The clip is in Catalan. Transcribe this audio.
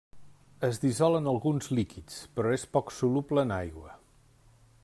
Es dissol en alguns líquids, però és poc soluble en aigua.